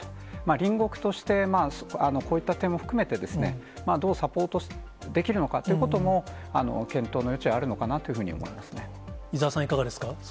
隣国として、こういった点も含めて、どうサポートできるのかということも、検討の余地はあるのかなと伊沢さん、いかがですか。